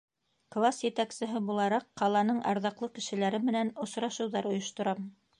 Класс етәксеһе булараҡ ҡаланың арҙаҡлы кешеләре менән осрашыуҙар ойошторам.